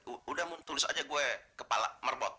ya udah mun tulis aja gue kepala marbot